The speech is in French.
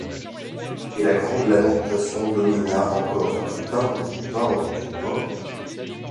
Et la grande lamentation domina encore :— Du pain ! du pain ! du pain !